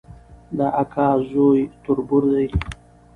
د اکا زوی تربور دی